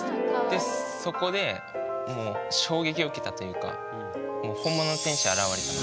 でそこでもう衝撃を受けたというか本物の天使。